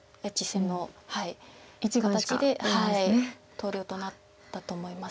投了となったと思います。